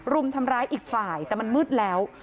รุมทำร้ายอีกฝ่ายแต่มันมืดแล้ว